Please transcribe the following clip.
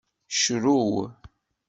Crew.